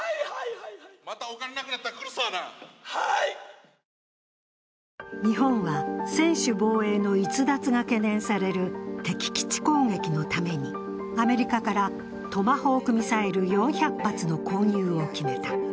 またお金、なくなったら来るさーな日本は専守防衛の逸脱が懸念される敵基地攻撃のために、アメリカからトマホークミサイル４００発の購入を決めた。